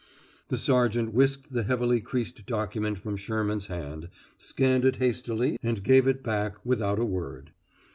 The sergeant whisked the heavily creased document from Sherman's hand, scanned it hastily, and gave it back, without a word.